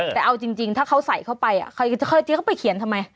แต่เอาจริงถ้าเขาใส่เข้าไปเคยจี้เขาไปเขียนทำไม